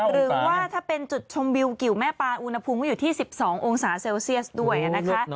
หรือว่าถ้าเป็นจุดชมวิวกิวแม่ปลาอุณหภูมิก็อยู่ที่๑๒องศาเซลเซียสด้วยนะคะ